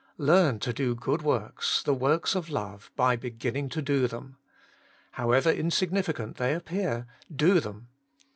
Learn to do good works, the works of love, by beginning to do them. However insig nificant they appear, do them.